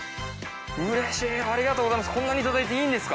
うれしいありがとうございます